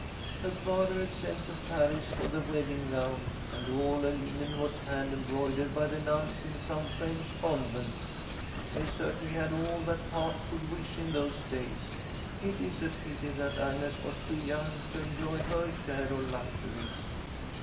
Her father had sent to Paris for the wedding gown, and all her linen was hand embroidered by the nuns in some French convent. "They certainly had all that heart could wish in those days. It is a pity that Agnes was too young to enjoy her share of luxuries.